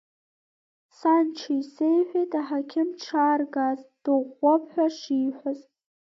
Саншьа исеиҳәеит аҳақьым дшааргаз, дыӷәӷәоуп ҳәа шиҳәаз.